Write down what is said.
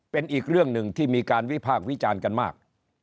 เป็นอีกเรื่องหนึ่งที่มีการวิพากษ์วิจารณ์กันมาก